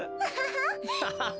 ハハハハ。